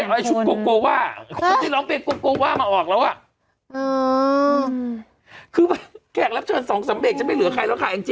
ไม่ต้องฆ่าตัวเองล่ะ